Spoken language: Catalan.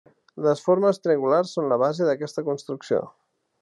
Les formes triangulars són la base d'aquesta construcció.